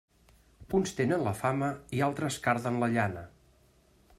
Uns tenen la fama i altres carden la llana.